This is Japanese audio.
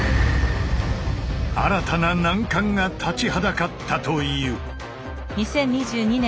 新たな難関が立ちはだかったという。